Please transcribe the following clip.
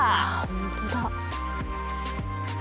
本当だ。